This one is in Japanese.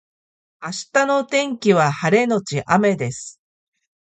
明日の天気は晴れのち雨です